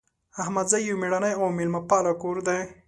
احمدزی یو میړنۍ او میلمه پاله کور ده